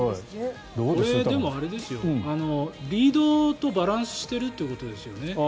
これ、リードとバランスしてるってことですよね。